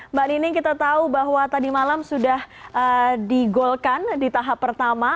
mbak nining kita tahu bahwa tadi malam sudah digolkan di tahap pertama